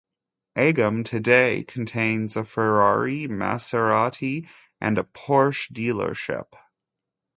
Egham today contains a Ferrari, Maserati, and a Porsche dealership.